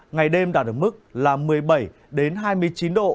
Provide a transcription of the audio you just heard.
ngày đêm đạt ở mức là một mươi bảy hai mươi chín độ